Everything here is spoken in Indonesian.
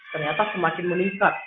ternyata semakin meningkat